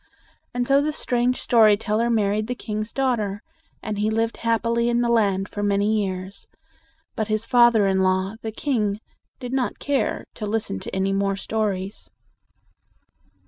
And so the strange story teller married the king's daughter. And he lived happily in the land for many years. But his father in law, the king, did not care to listen to any more stories.